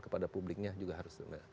kepada publiknya juga harus